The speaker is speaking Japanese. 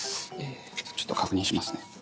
ちょっと確認しますね。